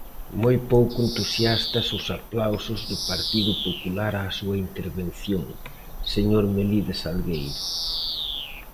Moi pouco entusiastas os aplausos do Partido Popular á súa intervención, señor Melide Salgueiro.